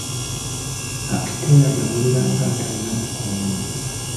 Akitela yawulira nga atalina bukuumi.